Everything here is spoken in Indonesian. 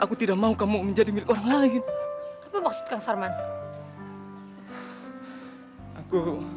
udah senang lah mimpi jorok